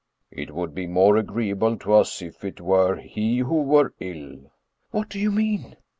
" It would be more agreeable to us if it were he who were ill." "What do you mean?"